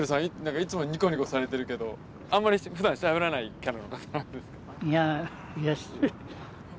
いつもニコニコされてるけどあんまりふだんしゃべらないキャラ？